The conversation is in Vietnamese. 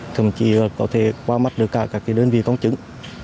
thậm chí có thể qua mắt được cả các đơn vị công chứng